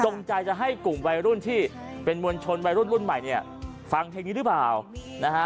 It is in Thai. ใจจะให้กลุ่มวัยรุ่นที่เป็นมวลชนวัยรุ่นรุ่นใหม่เนี่ยฟังเพลงนี้หรือเปล่านะฮะ